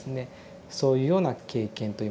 そういうような経験といいましょうか。